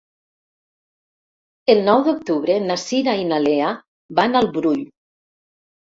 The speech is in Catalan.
El nou d'octubre na Cira i na Lea van al Brull.